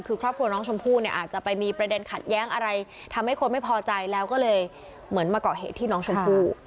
คือครอบครัวน้องชมพู่เนี่ยอาจจะไปมีประเด็นขัดแย้งอะไรทำให้คนไม่พอใจแล้วก็เลยเหมือนมาเกาะเหตุที่น้องชมพู่